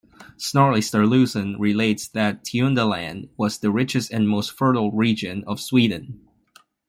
Snorri Sturluson relates that Tiundaland was the richest and most fertile region of Sweden.